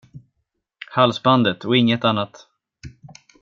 Halsbandet och inget annat.